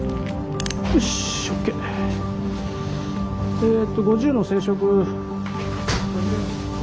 えっと５０の生食。